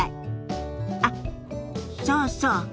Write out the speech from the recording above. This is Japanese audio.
あっそうそう。